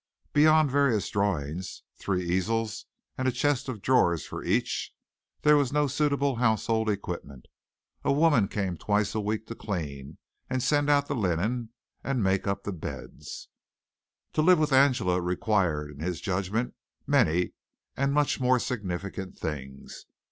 Beyond various drawings, three easels, and a chest of drawers for each, there was no suitable household equipment. A woman came twice a week to clean, send out the linen, and make up the beds. To live with Angela required, in his judgment, many and much more significant things.